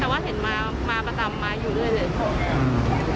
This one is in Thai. แต่ว่าเห็นมาประจำมาอยู่เรื่อยเลย